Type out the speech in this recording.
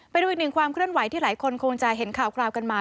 ไปดูอีกหนึ่งความเคลื่อนไหวที่หลายคนคงจะเห็นข่าวคราวกันมา